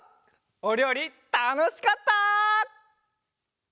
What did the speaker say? おりょうりたのしかった！